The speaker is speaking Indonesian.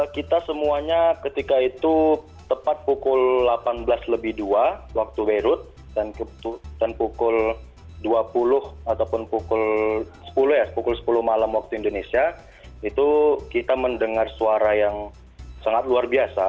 kita semuanya ketika itu tepat pukul delapan belas lebih dua waktu beirut dan pukul dua puluh ataupun pukul sepuluh ya pukul sepuluh malam waktu indonesia itu kita mendengar suara yang sangat luar biasa